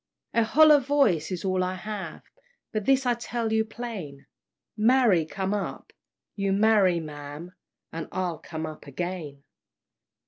"A hollow voice is all I have, But this I tell you plain, Marry come up! you marry, ma'am, And I'll come up again."